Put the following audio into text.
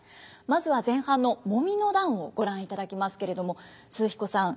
まずは前半の「揉の段」をご覧いただきますけれども寿々彦さん